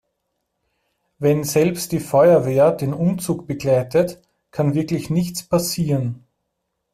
Wenn selbst die Feuerwehr den Umzug begleitet, kann wirklich nichts passieren.